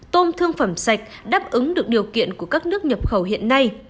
tôm thương phẩm sạch đáp ứng được điều kiện của các nước nhập khẩu hiện nay